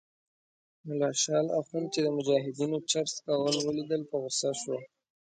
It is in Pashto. ملا شال اخند چې د مجاهدینو چرس څکول ولیدل په غوسه شو.